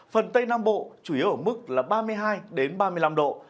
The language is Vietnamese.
phần tây nam bộ chủ yếu ở mức là ba mươi hai đến ba mươi bảy độ